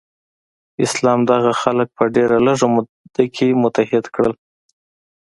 اسلام دغه خلک په ډیره لږه موده کې متحد کړل.